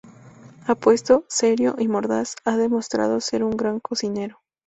Apuesto, serio y mordaz, ha demostrado ser un gran cocinero.